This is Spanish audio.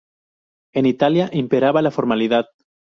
En Italia imperaba la formalidad.